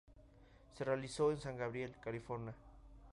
Se realizó en San Gabriel, California.